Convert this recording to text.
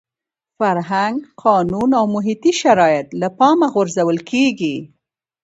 فرهنګ، قانون او محیطي شرایط له پامه غورځول کېږي.